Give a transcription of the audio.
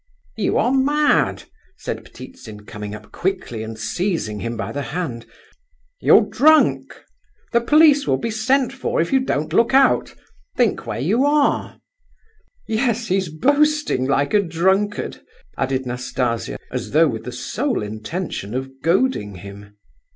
"You are mad!" said Ptitsin, coming up quickly and seizing him by the hand. "You're drunk—the police will be sent for if you don't look out. Think where you are." "Yes, he's boasting like a drunkard," added Nastasia, as though with the sole intention of goading him.